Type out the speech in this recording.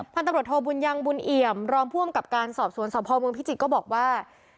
พันธนปรุษโทบุญยังบุญเหยมรองพร่อมกับการสอบสวนสภอมพิจิกย์ก็บอกว่า